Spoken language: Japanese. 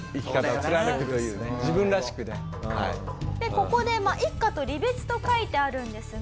ここで一家と離別と書いてあるんですが。